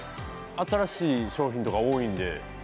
新しい商品とか多いんで。